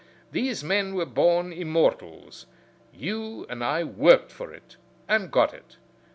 These men were born immortals. You and I worked for it and got it.